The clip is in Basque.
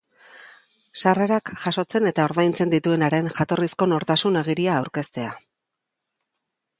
Sarrerak jasotzen eta ordaintzen dituenaren jatorrizko nortasun agiria aurkeztea.